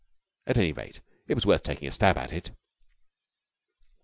At any rate, it was worth taking a stab at it.